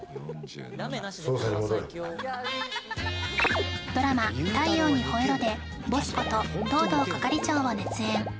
捜査に戻れドラマ「太陽にほえろ！」でボスこと藤堂係長を熱演